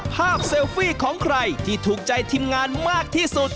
เซลฟี่ของใครที่ถูกใจทีมงานมากที่สุด